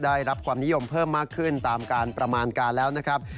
ได้รับความนิยมเพิ่มมากขึ้นตามการประมาณการแล้วนะครับ